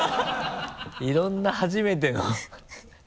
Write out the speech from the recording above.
いろんな初めての